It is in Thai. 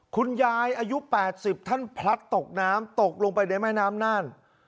คุณยายอายุ๘๐ท่านพลัดตกน้ำตกลงไปในแม่น้ำน่าน